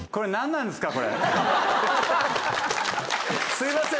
すいません。